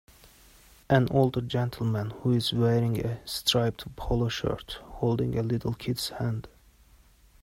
An older gentlemen who is wearing a striped polo shirt holding a little kid 's hand.